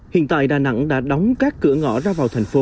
hiện tại đà nẵng đã đóng các cửa ngõ ra vào thành phố